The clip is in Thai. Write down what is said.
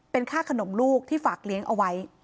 เป็นค่าขนมลูกที่ฝากเลี้ยงเอาไว้